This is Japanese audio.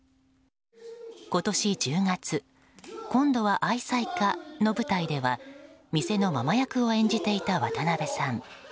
今年１０月「今度は愛妻家」の舞台では店のママ役を演じていた渡辺さん。